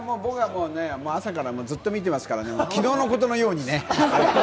朝からずっと見てますから、昨日のことのようにね。